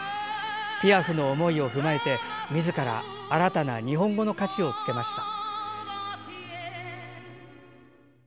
ピアフの思いを踏まえてみずから新たな日本語の歌詞をつけました。